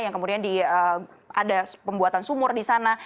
yang kemudian ada pembuatan sumur di sana